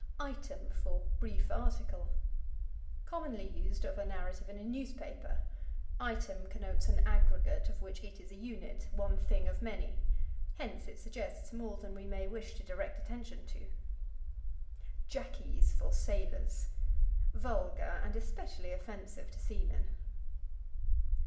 Item for Brief Article. Commonly used of a narrative in a newspaper. Item connotes an aggregate of which it is a unit one thing of many. Hence it suggests more than we may wish to direct attention to. Jackies for Sailors. Vulgar, and especially offensive to seamen.